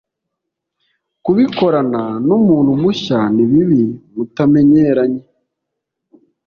kubikorana n'umuntu mushya nibibi mutamenyeranye